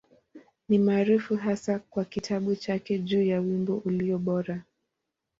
Ni maarufu hasa kwa kitabu chake juu ya Wimbo Ulio Bora.